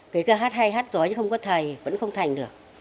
kể cả hát hay hát giỏi chứ không có thầy vẫn không thành được